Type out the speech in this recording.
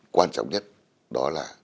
quan trọng nhất đó là